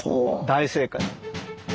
大正解。